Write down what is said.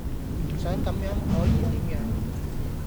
唔想咁樣可以點樣?